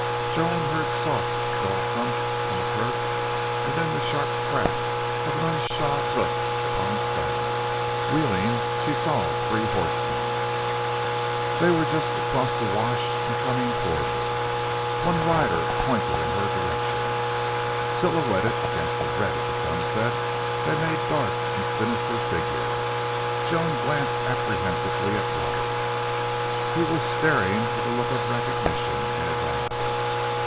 Joan heard soft, dull thumps on the turf and then the sharp crack of an unshod hoof upon stone. Wheeling, she saw three horsemen. They were just across the wash and coming toward her. One rider pointed in her direction. Silhouetted against the red of the sunset they made dark and sinister figures. Joan glanced apprehensively at Roberts. He was staring with a look of recognition in his eyes.